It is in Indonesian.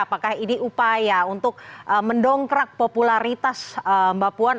apakah ini upaya untuk mendongkrak popularitas mbak puan